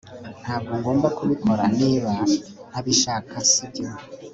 Ntabwo ngomba kubikora niba ntabishaka sibyo